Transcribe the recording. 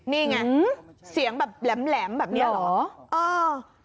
นี่ไงเสียงแบบแหลมแบบนี้เหรอ